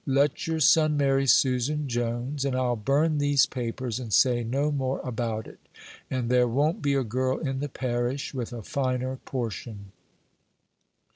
Let your son marry Susan Jones, and I'll burn these papers and say no more about it, and there won't be a girl in the parish with a finer portion."